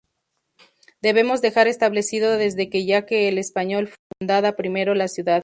Debemos dejar establecido desde ya que el español fundaba primero la ciudad.